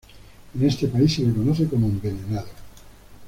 En este país se le conoce como envenenado.